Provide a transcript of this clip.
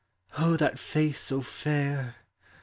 O thai face so fair!